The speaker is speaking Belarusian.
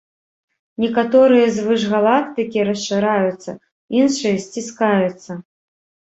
Некаторыя звышгалактыкі расшыраюцца, іншыя сціскаюцца.